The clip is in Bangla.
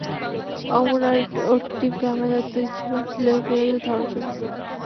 অমর আর ওর টিমকে আমরা দায়িত্ব দিয়েছিলাম সিরিয়াল কিলারদের ধরার জন্য।